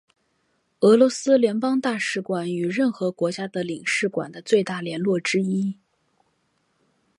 俄罗斯联邦大使馆与任何国家的领事馆的最大的联络之一。